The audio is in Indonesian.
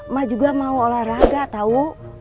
mak juga mau olahraga tau